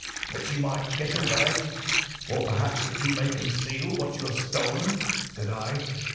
"'That you may get away, or perhaps that you may conceal what you have stolen,' said I.